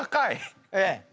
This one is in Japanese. ええ。